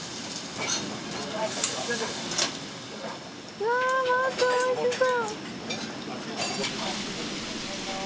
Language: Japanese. うわおいしそう！